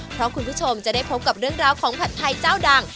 เพราะคุณผู้ชมจะได้พบกับเรื่องราวของผัดไทยเจ้าดัง